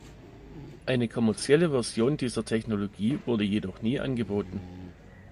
Eine kommerzielle Version dieser Technologie wurde jedoch nie angeboten.